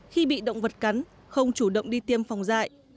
khi bị động vật cắn không chủ động đi tiêm phòng dạy